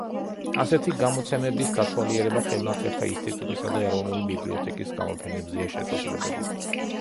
ასეთი გამოცემების დათვალიერება ხელნაწერთა ინსტიტუტისა და ეროვნული ბიბლიოთეკის გამოფენებზეა შესაძლებელი.